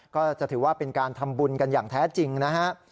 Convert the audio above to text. ก็จะถือว่าเป็นการทำบุญกันอย่างแท้จริงนะฮะ